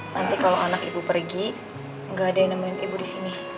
nanti kalau anak ibu pergi gak ada yang nemenin ibu disini